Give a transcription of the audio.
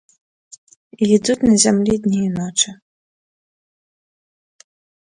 І ідуць на зямлі дні і ночы.